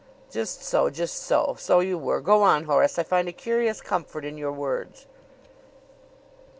"Just so; just so. So you were. Go on, Horace; I find a curious comfort in your words."